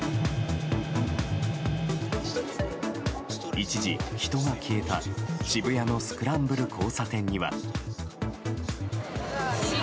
一時、人が消えた渋谷のスクランブル交差点には。